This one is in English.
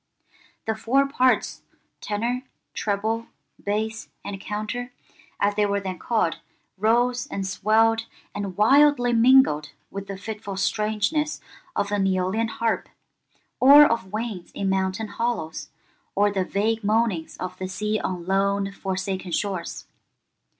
The four parts, tenor, treble, bass, and counter, as they were then called, rose and swelled and wildly mingled with the fitful strangeness of an Æolian harp, or of winds in mountain hollows, or the vague moanings of the sea on lone, forsaken shores.